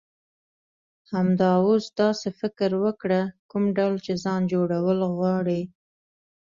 همدا اوس داسی فکر وکړه، کوم ډول چی ځان جوړول غواړی.